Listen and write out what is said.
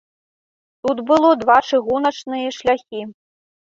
Тут было два чыгуначныя шляхі.